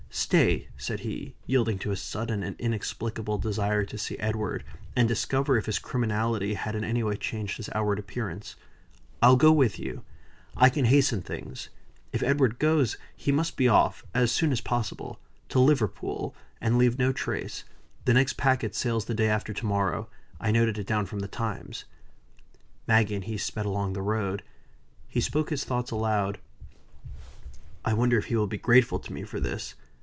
Stay!" said he, yielding to a sudden and inexplicable desire to see Edward, and discover if his criminality had in any way changed his outward appearance. "I'll go with you. I can hasten things. If Edward goes, he must be off, as soon as possible, to Liverpool, and leave no trace. The next packet sails the day after to morrow. I noted it down from the Times." Maggie and he sped along the road. He spoke his thoughts aloud: "I wonder if he will be grateful to me for this.